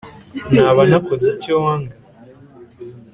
Naba nakoze icyo wanga